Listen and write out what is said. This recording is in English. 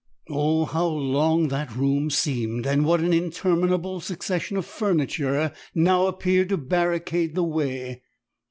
Oh! how long that room seemed and what an interminable succession of furniture now appeared to barricade the way.